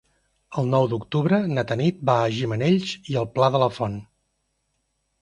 El nou d'octubre na Tanit va a Gimenells i el Pla de la Font.